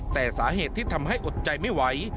แต่สาเหตุที่ทำให้อดใจไม่ไหว